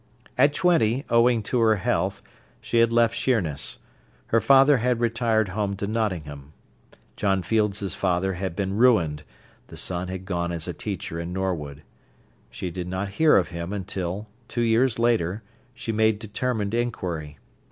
At twenty, owing to her health, she had left Sheerness. Her father had retired home to Nottingham. John Field's father had been ruined; the son had gone as a teacher in Norwood. She did not hear of him until, two years later, she made determined inquiry.